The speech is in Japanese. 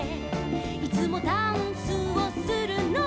「いつもダンスをするのは」